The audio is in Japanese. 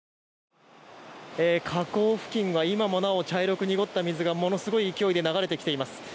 河口付近は今もなお茶色く濁った水がものすごい勢いで流れてきています。